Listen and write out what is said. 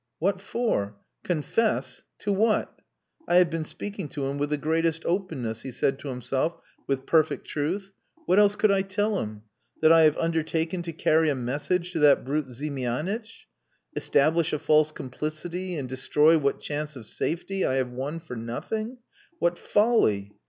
What for? Confess! To what? "I have been speaking to him with the greatest openness," he said to himself with perfect truth. "What else could I tell him? That I have undertaken to carry a message to that brute Ziemianitch? Establish a false complicity and destroy what chance of safety I have won for nothing what folly!"